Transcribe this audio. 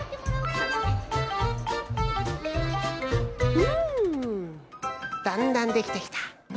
うん！だんだんできてきた！